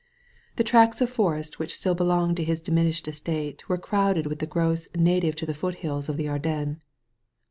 The tracts of forest which still belonged to his diminished estate were crowded with the growths native to the foot hills of the Ardennes.